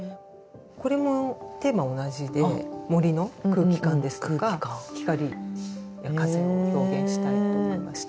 これもテーマ同じで森の空気感ですとか光や風を表現したいと思いました。